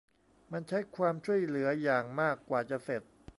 มันใช้ความช่วยเหลืออย่างมากกว่าจะเสร็จ